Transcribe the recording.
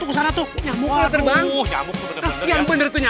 permisi saya mau ke lapangan dulu sebetulnya